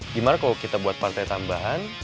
gimana kalau kita buat partai tambahan